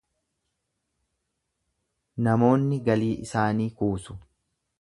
Namoonni galii isaanii kuusu.